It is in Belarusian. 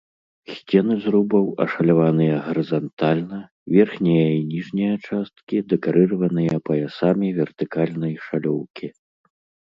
Сцены зрубаў ашаляваныя гарызантальна, верхняя і ніжняя часткі дэкарыраваныя паясамі вертыкальнай шалёўкі.